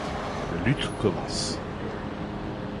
La lutte commence.